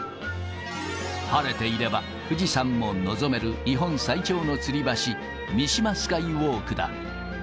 晴れていれば富士山を望める、日本最長のつり橋、三島スカイウォークだ。